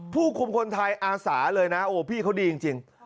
ผู้คุมคนไทยอาสาเลยนะโอ้พี่เขาดีจริง